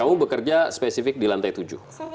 ujung roadison itu hasilnya nanti